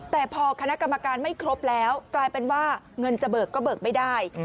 แต่พอคณะกรรมการไม่ครบแล้วกลายเป็นว่าเงินจะเบิกก็เบิกไม่ได้